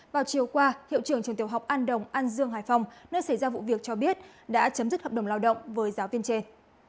vào chiều qua hiệu trưởng trường tiểu học an đồng an dương hải phòng nơi xảy ra vụ việc cho biết đã chấm dứt hợp đồng lao động với giáo viên trên